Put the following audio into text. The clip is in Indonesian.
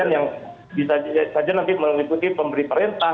yang bisa saja nanti meliputi pemberi perintah